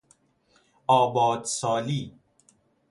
آباد سالی